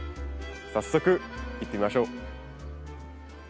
早速行ってみましょう。